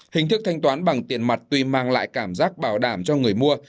hình thức thanh toán bằng tiền mặt tuy mang lại cảm giác bảo đảm cho người mua